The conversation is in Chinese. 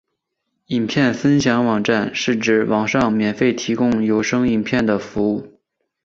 影片分享网站是指在网上免费提供有声影片的服务。